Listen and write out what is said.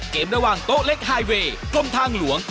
ระหว่างโต๊ะเล็กไฮเวย์กรมทางหลวง